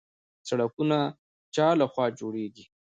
سړکونه چا لخوا جوړیږي؟